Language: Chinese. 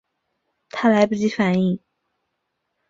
她来不及反应